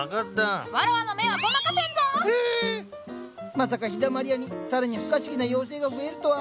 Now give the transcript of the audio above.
まさか陽だまり屋に更に不可思議な妖精が増えるとは。